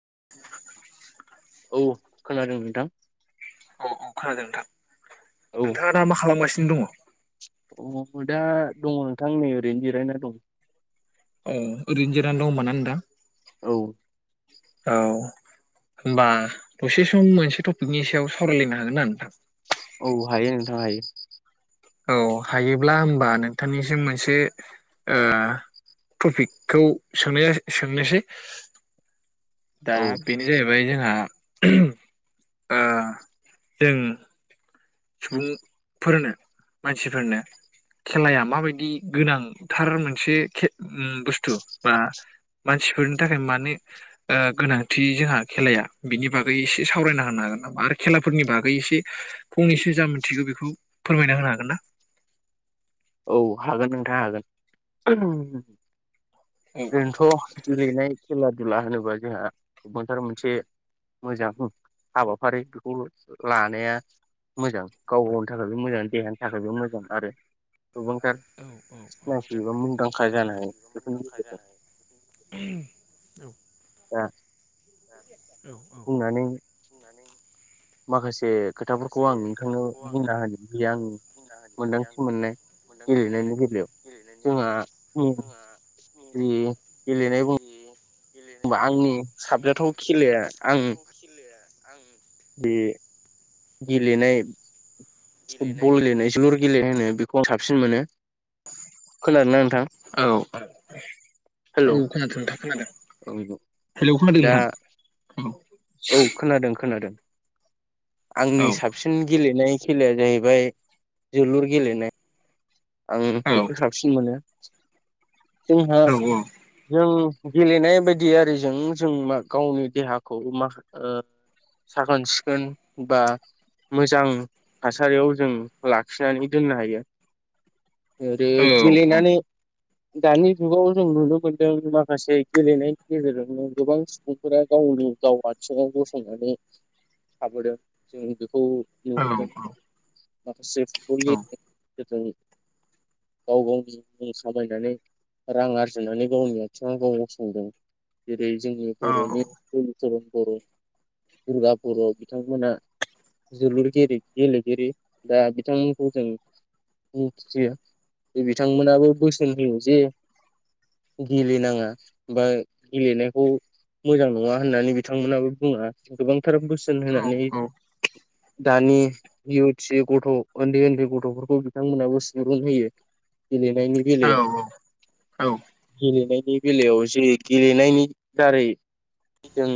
[unintelligible] औ खोनादों नोंथां औ खोनदों नोंथां नोंथाङा दा मा खालामगासिनो नो दङ अ दा दङ नोंथां नै ओरैनो जिरायना दं अ ओरैनो जिरायना दं होनबा न नोंथां औ औ होमबा दसे सम मोनसे टपिकनि सायाव सावरायलायनो हागोन ना नोंथां औ हायो नोंथां हायो औ हायोब्ला होमबा नोंथांनिसिम मोनसे ओ टपिकखौ सोंनाय जा सोंनोसै दा औ बिनो जायबाय जोहा आह जों सुबुंफोरनो मानसिफोरनो खेलाया माबायदि गोनांथार मोनसे खे बुस्थु बा मानसिफोरनि थाखाय मानो गोनांथि जोंहा खेलाया बिनि बागै एसे सावरायना होनो हागोन नामा आरो खेलाफोरनि बागै एसे फंनैसो जा मोनथिगौ बेखौ फोरमायना होनो हागोन ना औ हागोन नोंथां हागोन औ ओरैनोथ' गेलेनाय खेला दुला होनोबा जोंहा गोबांथार मोनसे मोजां हाबाफारि बेखौ लानाया मोजां गाव गावनि थाखायबो मोजां देहानि थाखायबो मोजां आरो गोबांथार [inaudible] सिनायथि एबा मुंदांखा जानो हायो बेफोरनि गेजेरजों औ दा बुंनानै माखासे से खोथाफोरखौ आं नोंथांनो बुंना होनि जे आं मोन्दांथि मोननाय गेलेनायनि बेलायाव जोंहा ओम जि गेलेनाय बुं बा आंनि साबजाथाव खेलाया आं आं बे गेलेनाय फुटबल गेलेनाय जोलुर गेलेनाय होनो बेखौ आं साबसिन मोनो औ खोनादोंना नोंथां औ औ खोनादों हेलौ नोंथां खोनादों औ दा औ औ खोनादों खोनादों औ आंनि साबसिन गेलेनाय खेलाया जाहैबाय जोलुर गेलेनाय आं औ औ बेखौ साबसिन मोनो [inaudible] जोंहा औ जों गेलेनाय बायदि आरिजों जों मा गावनि देहाखौ माख ओ साखोन सिखोन बा मोजां थासारियाव जों लाखिनानै दोननो हायो आरो गेले नानै दानि जुगाव जों नुनो मोनदों माखासे गेलेनायनि गेजेरजोंनो गोबां सुबुंफोरा गावनि गाव आथिङाव गसंनानै थाबोदों जों बेखौ औ औ जो फुटबलनि गेजेरजों गाव गाव बि सामायनानै रां आरजिनानै गावनि आथिङाव गाव गसंदों बे जोंनि बर'नि [unintelligible] बर' दुर्गा बर' बिथांमोना जोलुर गेले गेलेगिरि दा बिथांमोनखौ जों मिथियो बिथांमोनाबो बोसोन होयो जे गेलेनाङा बा गेलेनायखौ मोजां नङा होननानै बिथांमोनाबो बुङा गोबां फोर बोसोन होनानै दानि इउथ्स गथ' ओन्दै ओन्दै गथ'फोरखौ नोंथांमोनहाबो सुबुरुन होयो। गेलेनायनि बेलायाव गेलेनाय नि बेलायाव जे गेलेनायनि दारै जों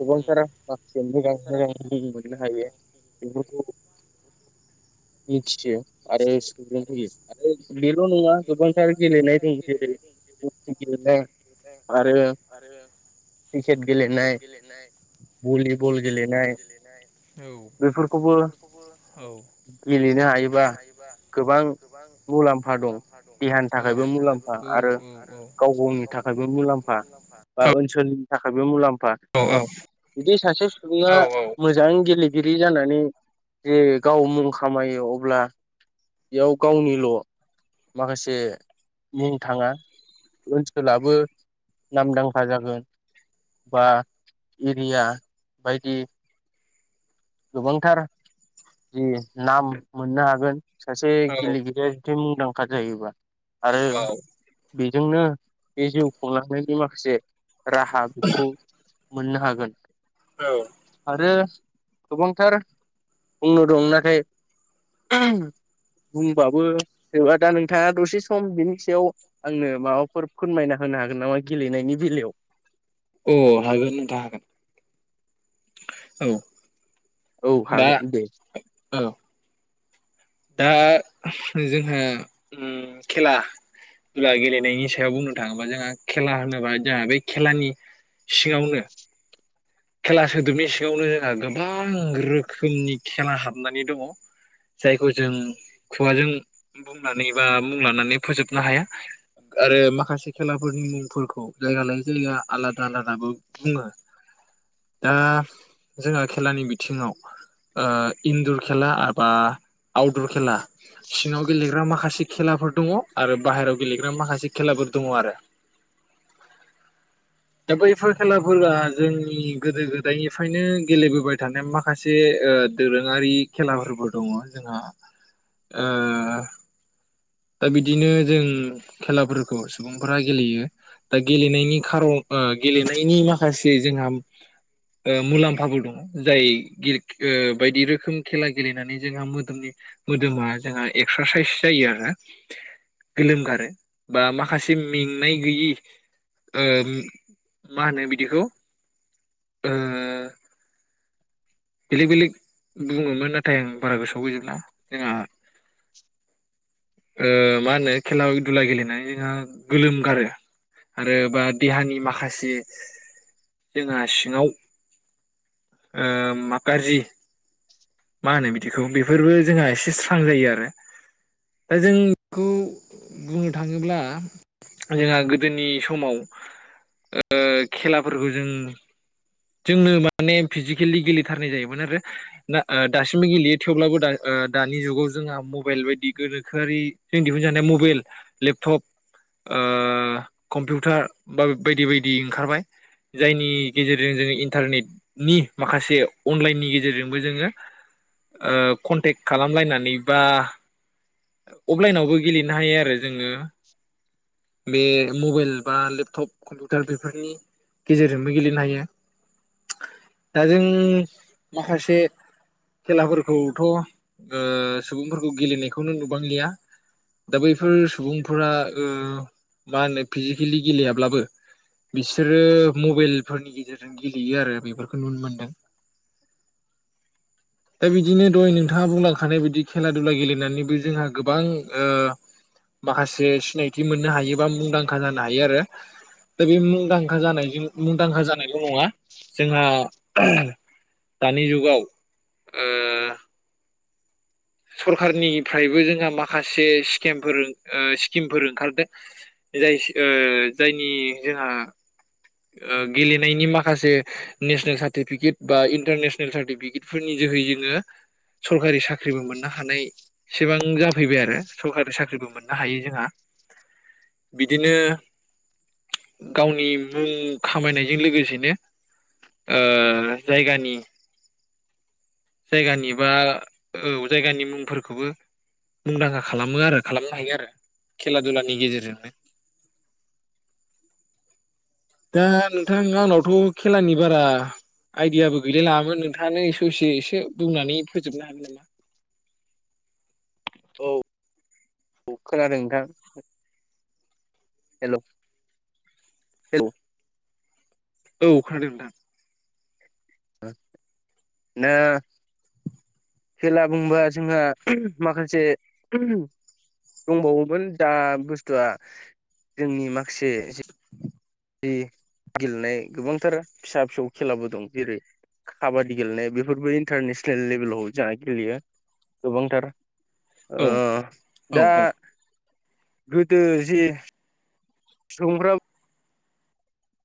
गोबांथारा माखासे मोजां मोजां लोगो मोननो हायो बेफोरखौ मिथियो आरो सुबुरुन होयो आरो बेल' नङा गोबांथार गेलेनाय दं जेरै हकि गेलेनाय आरो क्रिकेट गेलेनाय, भलिबल गेलेनाय बेफोरखौबो गेलेनो हायोबा गोबां मुलाम्फा दं देहानि थाखायबो मुलाम्फा आरो गाव गावनि थाखायबो मुलाम्फा बा ओनसोलनि थाखाय बो मुलाम फा बिदि सासे सुबुङा मोजां गेले गिरि जानानै जे गाव मुं खामायो अब्ला बेयाव गावनिल' माखासे मुं थाङा ओनसोलाबो नामदांखा जागोन बा एरिया बायदि गोबांथार जि नाम मोननो हागोन सासे गेलेगिरिया बिदि मुंदां खा जायोबा आरो औ बि जोंनो बे जिउ खुंलांनायनि माखासे राहा बिखौ मोननो हागोन औ आरो गोबांथार बुंनो दं नाथाय बुंबाबो जोबा दा नोंथाङा दसे सम बिनि सायाव आंनो माबाफोर फोरमायना होनो हागोन नामा गेलेनायनि बेलायाव? औ हागोन नोंथां हागोन औ औ दा हागोन दे औ दा जोंहा उम खेला दुला गेलेनायनि सायाव बुंनो थाङोबा जोंहा खेला होनोबा जोंहा बे खेलानि सिङावनो खेला सोदोबनि सिङावनो जोंहा गोबां रोखोमनि खेला हाबनानै दङ जायखौ जों खुगाजों बुंनानै बा मुं लानानै फोजोबनो हाया आरो माखासे खेलाफोरनि मुंफोरखौ जायगा लाय जायगा आलादा आलादाबो बुङो । दा जोंहा खेलानि बिथिङाव ओ इनदर खेला बा आउटदर खेला सिङाव गेलेग्रा माखासे खेलाफोर दङ आरो बाहेरायाव गेलेग्रा माखासे खेलाफोर दङ आरो दा बैफोर खेलाफोरा जोंनि गोदो गोदायनिफ्रायनो गेलेबोबाय थानाय माखासे ओ दोरोङारि खेलाफोरबो दङ जोंहा ओ दा बिदिनो जों खेलाफोरखौ सुबुंफोरा गेलेयो दा गेलेनायनि खारन ओ गेलेनायनि माखासे जोंहा ओ मुलाम्फाबो दङ जाय [unintelligible] बायदि रोखोम खेला गेलेनानै जोंहा मोदोमनि मोदोमा जोंहा एक्सारसाइस जायो आरो । गोलोमगारो बा माखासे मेंनाय गैयि ओ मा होनो बिदिखौ ओ बेलेग बेलेग बुङोमोन नाथाय आं बारा गोसोआव गैजोबला जोंहा [unintelligible] ओ मा होनो खेला दुला गेलेनाया जोंहा गोलोम गारो आरो बा देहानि माखासे जोंहा सिङाव ओ मा गाज्रि मा होनो बिदिखौ बेफोरबो जोंहा एसे स्रां जायो आरो दा जों खौ बुंनो थाङोब्ला जोंहा गोदोनि समाव ओ खेलाफोरखौ जों जोंनो माने फिजिकेलि गेलेथारनाय जायोमोन आरो ओ दासिमबो गेलेयो थेवब्लाबो दा ओ दानि जुगाव जोंहा मबाइल बायदि गोनोखोआरि जों दिहुन जानाया मबाइल लेपटप ओ कम्पिउटार बा बायदि बायदि ओंखारबाय जायनि गेजेर जो इन्टारनेटनि माखासे अनलाइननि गेजेरजोंबो जोङो कनटेक्ट खालामलायनानै बा अफलाइनावबो गेलेनो हायो आरो जोङो। बे मबाइल बा लेपटप कम्पिउटार बेफोरनि गेजेरजोंबो गेलेनो हायो। दा जों माखासे खेलाफोरखौथ ओ सुबुंफोरखौ गेलेनायखौनो नुबांलिया दा बैफोर सुबुंफोरा ओ मा होनो फिजिकेलि गेलेयाब्लाबो बिसोरो मबाइलफोरनि गेजेरजों जों गेलेयो आरो बेफोरखौ नुनो मोनदों दा बिदिनो दह नोंथाङा बुंलांखानाय बायदि खेला दुला गेलेनानैबो जोंहा गोबां ओ माखासे सिनायथि मोननो हायो हायोबा मुंदांखा जानो हायो आरो। दा बे मुंदांखा जानाय मुंदांखा जानाय ल नङा जोंहा दानि जुगाव‌ ओ सरखारारनिफ्रायबो जोंहा माखासे स्के मफोर ओ स्किमफोर ओंखारदों जाय ओ जायनि जोंहा ओ गेलेनायनि माखासे नेसनेल सार्टिफिकेट बा इन्टारनेसनेल सार्टिफिकेटफोरनि जोहै जोङो सरकारि साख्रिबो मोननो हानाय एसेबां जा फैबाय आरो सरकारि साख्रिबो मोननो हायो जोंहा बिदिनो गावनि मुं खामायनायजों लोगोसेनो ओ जायगानि जायगानि बा औ जायगानि मुंफोरखौबो मुंदांखा खालामो आरो खालामनो हायो आरो खेला दुलानि गेजेरजोंनो। दा नों थां आंनावथ खेलानि बारा आइदियाबो गैलाय लाङामोन नोंथाङानो ससे एसे बुंनानै फोजोबनो हागोन नामा। औ औ खोनादों नोंथां हेलौ हे औ अखादों नोंथां। ना खेला बुंबा जोंहा माखासे दंबावोमोन दा बुस्थुआ जोंनि माखासे जि गेलेनाय गोबांथार फिसा फिसौ खेलाबो दं जेरै काबादि गेलेनाय बेफोरबो इन्टारनेसनेल लेभेलाव जोंहा गेलेयो गोबांथार औ ओ‌ औ दा गोदो जे संग्रा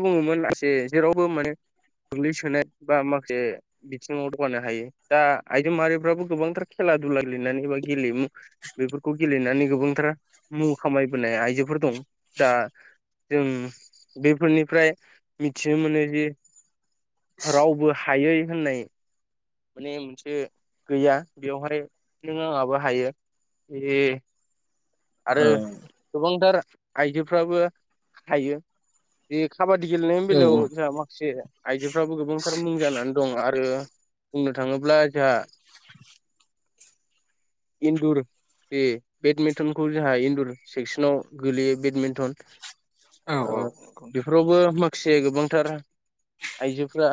बुङोमोन माखसे जेरावबो माने गोग्लैसोनाय बा माखासे बिथिङाव दगानो हायो दा आइजो माहारिफ्राबो गोबांथार खेला दुला गेलेनानै बा गेलेयमु बेफोरखौ गेलेनानै गोबांथार मुं खामायबोनाय आइजोफोर दं दा जों बे फोरनिफ्राय मिथिनो मोनो जि रावबो हायै होननाय माने मोनसे गैया बेवहाय नों आंहाबो हायो ए औ आरो गोबांथार आइजोफ्राबो हायो बे खाबादि गेलेनायनि औ बेलायाव जोंहा माखासे आयजोफ्राबो गोबांथार मुं जानानै दं आरो बुंनो थाङोब्ला जोहा इन्दुर बे बेडमिन्टन खौ जोंहा इनडर सेक्सनाव गोलैयो बेडमिन्टन औ ओ औ नंगौ नोंथां बेफोरावबो मो से गोबांथार आइजोफ्रा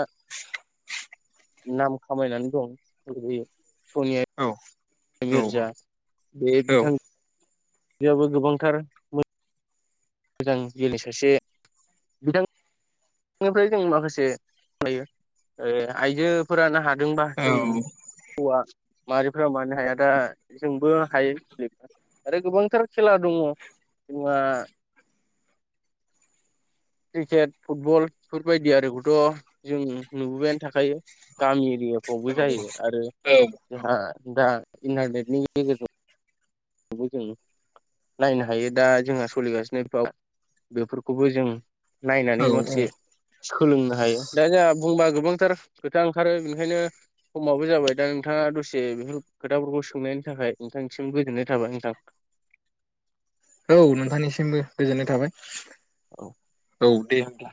नाम खामायनानै दं सनिया औ। औ मिर्जा बे औ बिथां बेयावबो गोबांथार मो मोजां जोलै सासे बिदां [unintelligible] निफ्राय जों माखासे ओह आइजोफोरानो हा दोंबा औ जों हौवा माहारिफोरा मानो हाया दा जोंबो हायो [unintelligible] आरो गोबांथार खेला दङ [unintelligible] ङा। क्रिकेट फुटबल फोरबायदि आरोखौथ' जों नुबोबायानो थाखायो गामि फावबो जायो आरो जोंहा दा [unintelligible] जों नायनो हायो दा जोंहा सोलिगासिनो [unintelligible] बेफोरखौबो जों नायनानै औ औ औ माखासे सोलोंनो हायो दा जोंहा बुंबा गोबांथार खोथा ओंखारो बेनिखायनो समाबो जाबाय दा नोंथाङा दसे बेफोर खोथाफोरखौ सोंनायनि थाखाय नोंथांनिसिम गोजोननाय थाबाय नोंथां। औ नोंथांनिसिमबो गोजोननाय थाबाय। औ। औ दे होमब्ला।